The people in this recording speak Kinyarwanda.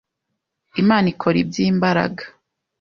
Imana ikora iby’imbaraga